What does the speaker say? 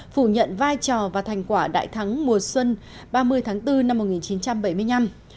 phủ nhận vai trò và thành quả đại thắng mùa xuân ba mươi tháng bốn năm một nghìn chín trăm bảy mươi năm